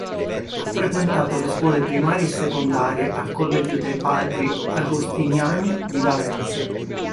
Ha frequentato le scuole primarie e secondarie al collegio dei padri agostiniani di Valencia.